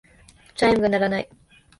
チャイムが鳴らない。